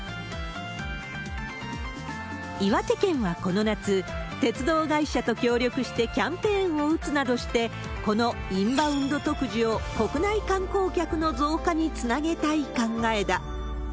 岩手県はこの夏、鉄道会社と協力してキャンペーンを打つなどして、このインバウンド特需を国内観光客の増加につなげたい考えだ。